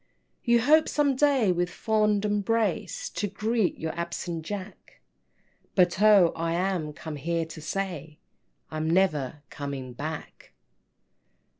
IV. "You hope some day with fond embrace To greet your absent Jack, But oh, I am come here to say I'm never coming back!"